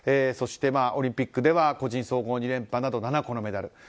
そしてオリンピックでは個人総合２連覇など７個のメダル。